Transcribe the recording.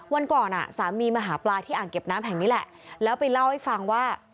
วันก่อนอ่ะสามีมาหาปลาที่อ่างเก็บน้ำแห่งนี้แหละแล้วไปเล่าให้ฟังว่า